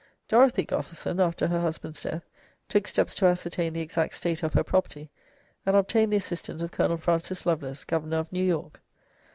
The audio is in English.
Dorothea Gotherson, after her husband's death, took steps to ascertain the exact state of her property, and obtained the assistance of Colonel Francis Lovelace, Governor of New York.